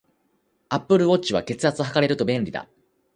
アップルウォッチは、血圧測れると便利だ